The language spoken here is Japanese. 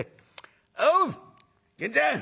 おう源ちゃん！